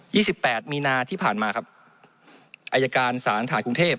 ี่สิบแปดมีนาที่ผ่านมาครับอายการศาลฐานกรุงเทพ